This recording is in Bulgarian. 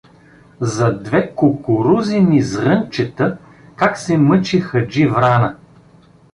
— За две кукурузени зрънчета как се мъчи Хаджи Врана.